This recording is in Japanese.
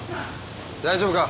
大丈夫か？